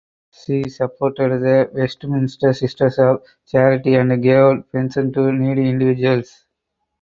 She supported the Westminster Sisters of Charity and gave out pensions to needy individuals.